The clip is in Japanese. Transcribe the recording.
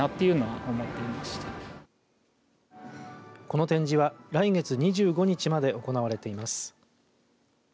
この展示は来月２５日まで行われています。